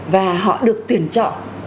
và họ được tuyển chọn